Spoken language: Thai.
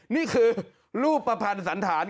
นี่คือรูปประพันธ์สันธาร